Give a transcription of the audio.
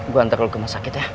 gue antar lu ke masyarakat ya